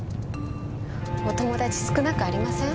お友達少なくありません？